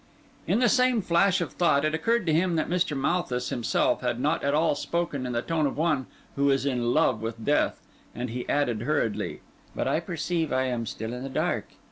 In the same flash of thought, it occurred to him that Mr. Malthus himself had not at all spoken in the tone of one who is in love with death; and he added hurriedly: "But I perceive I am still in the dark.